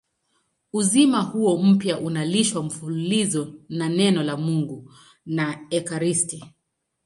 Uzima huo mpya unalishwa mfululizo na Neno la Mungu na ekaristi.